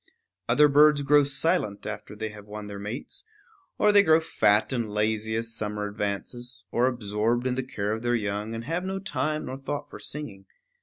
Other birds grow silent after they have won their mates, or they grow fat and lazy as summer advances, or absorbed in the care of their young, and have no time nor thought for singing.